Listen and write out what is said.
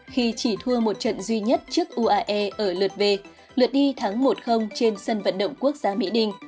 khi chỉ thua một trận duy nhất trước uae ở lượt về lượt đi tháng một trên sân vận động quốc gia mỹ đình